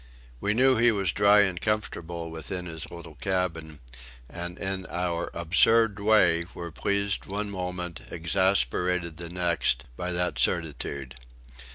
We knew he was dry and comfortable within his little cabin, and in our absurd way were pleased one moment, exasperated the next, by that certitude.